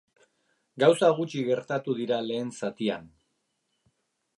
Gauza gutxi gertatu dira lehen zatian.